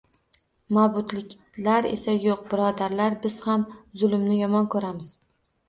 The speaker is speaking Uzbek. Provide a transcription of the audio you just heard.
Mabutiliklar esa “yo‘q, birodarlar, biz ham zulmni yomon ko‘ramiz